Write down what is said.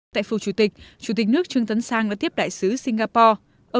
tại phủ chủ tịch chủ tịch nước trương tấn sang đã tiếp đại sứ singapore